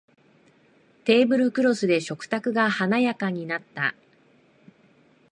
テーブルクロスで食卓が華やかになった